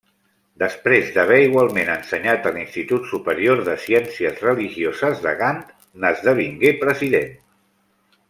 Després d'haver igualment ensenyat a l'Institut superior de ciències religioses de Gant, n'esdevingué president.